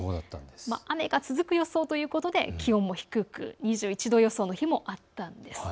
雨が続く予想ということで気温も低く２１度の予想の日もありました。